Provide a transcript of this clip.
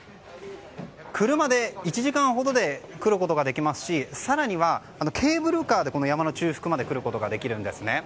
車で１時間ほどで来ることができますし更にはケーブルカーで山の中腹まで来ることができるんですね。